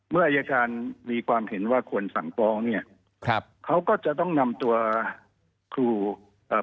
อายการมีความเห็นว่าควรสั่งฟ้องเนี้ยครับเขาก็จะต้องนำตัวครูเอ่อ